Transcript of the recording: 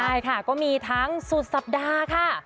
ใช่ค่ะก็มีทั้งสุดสัปดาห์ค่ะ